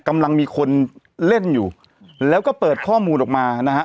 กำลังมีคนเล่นอยู่แล้วก็เปิดข้อมูลออกมานะฮะ